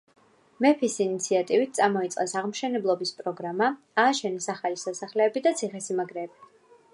მეფის ინიციატივით წამოიწყეს აღმშენებლობის პროგრამა, ააშენეს ახალი სასახლეები და ციხესიმაგრეები.